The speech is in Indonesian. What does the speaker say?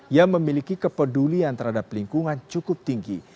yang memiliki kepedulian terhadap lingkungan cukup tinggi